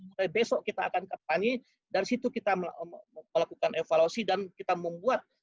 mulai besok kita akan kampanye dari situ kita melakukan evaluasi dan kita membuat